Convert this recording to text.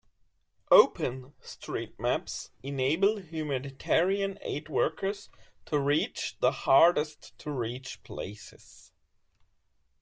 Open street maps enable humanitarian aid workers to reach the hardest to reach places.